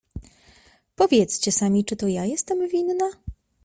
"Powiedzcie sami, czy to ja jestem winna?"